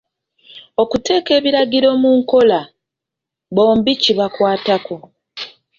Okuteeka ebiragiro mu nkola bombi kibakwatako.